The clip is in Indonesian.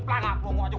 pelangak bongok aja